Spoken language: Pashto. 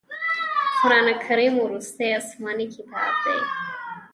قرآن کریم وروستی اسمانې کتاب دی.